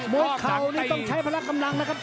มดเขาต้องใช้พละกำลังนะครับ